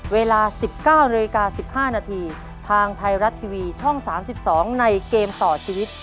เวลา๑๙นาฬิกา๑๕นาทีทางไทยรัฐทีวีช่อง๓๒ในเกมต่อชีวิต